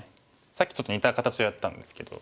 さっきちょっと似た形をやったんですけど。